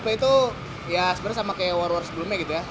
ya itu ya sebenarnya sama kayak world ticket sebelumnya gitu ya